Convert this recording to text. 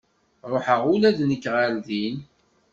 Ruḥeɣ ula d nekk ɣer din.